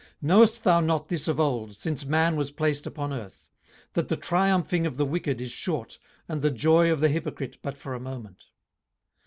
18:020:004 Knowest thou not this of old, since man was placed upon earth, 18:020:005 That the triumphing of the wicked is short, and the joy of the hypocrite but for a moment?